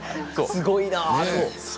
すごいな。